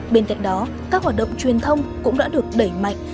bên cạnh đó các hoạt động truyền thông cũng đã được đẩy mạnh